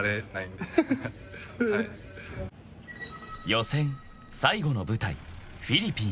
［予選最後の舞台フィリピンへ］